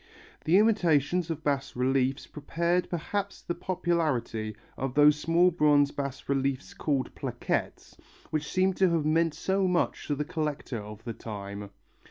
The imitations of bas reliefs prepared perhaps the popularity of those small bronze bas reliefs called plaquettes which seem to have meant so much to the collector of the time.